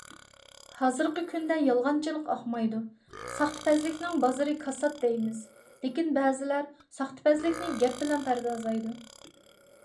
ھازىرقى كۈندە يالغانچىلىق ئاقمايدۇ، ساختىپەزلىكنىڭ بازىرى كاسات دەيمىز، لېكىن بەزىلەر ساختىپەزلىكنى گەپ بىلەن پەردازلايدۇ.